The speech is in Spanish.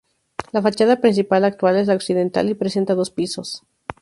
La fachada principal actual es la occidental y presenta dos pisos.